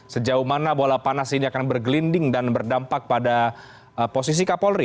sejauh mana bola panas ini akan bergelinding dan berdampak pada posisi kapolri